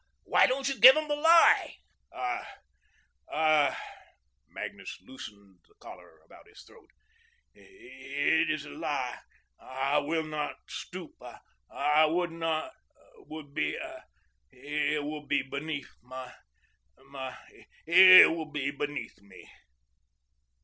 why don't you give 'em the lie?" "I I," Magnus loosened the collar about his throat "it is a lie. I will not stoop I would not would be it would be beneath my my it would be beneath me."